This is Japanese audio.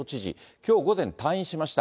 きょう午前、退院しました。